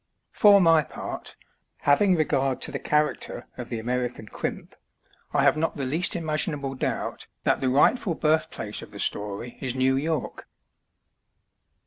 For my part, having regard to the character of the American crimp, I have not the least imaginable doubt that the rightful birthplace of the story is New York.